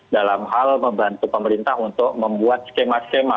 dalam hal membantu pemerintah untuk membuat skema skema